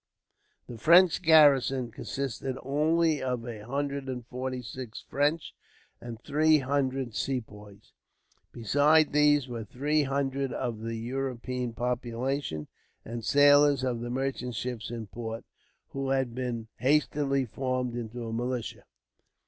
The French garrison consisted only of a hundred and forty six French, and three hundred Sepoys. Besides these were three hundred of the European population, and sailors of the merchant ships in port, who had been hastily formed into a militia.